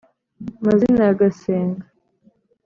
mazina ya gasenga